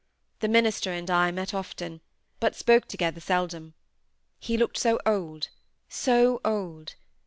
The minister and I met often, but spoke together seldom. He looked so old—so old!